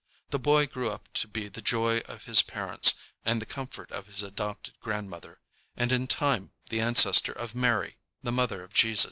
The boy grew up to be the joy of his parents and the comfort of his adopted grandmother, and in time the ancestor of Mary the mother of Jesus.